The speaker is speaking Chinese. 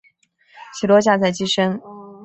起落架在机身。